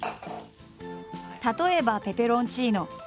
例えばペペロンチーノ。